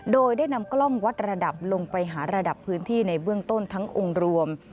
โดยได้นำกล้องวัดระดับลงไปหาระดับพื้นที่ในเบื้องต้นทั้งองค์รวม